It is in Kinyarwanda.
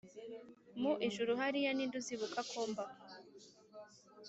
mu ijuru hariya, ni nde uzibuka ko mbaho?